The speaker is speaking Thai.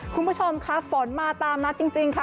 คุณผู้ชมค่ะฝนมาตามนัดจริงค่ะ